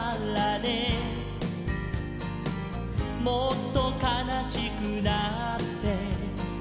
「もっとかなしくなって」